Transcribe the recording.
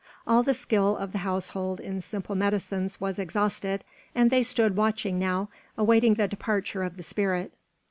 All the skill of the household in simple medicines was exhausted, and they stood watching now, awaiting the departure of the spirit.